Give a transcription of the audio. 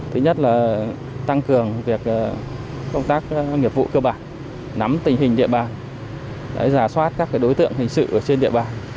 thứ nhất là tăng cường công tác nghiệp vụ cơ bản nắm tình hình địa bàn giả soát các đối tượng hình sự trên địa bàn